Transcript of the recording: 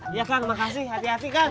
iya kang makasih hati hati kang